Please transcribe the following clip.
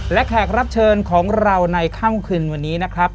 และแขกรับเชิญของเราในค่ำคืนวันนี้นะครับ